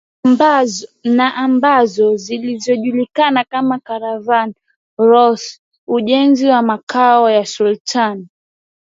na ambazo zilijulikana kama Caravan Routes Ujenzi wa Makao ya Sultani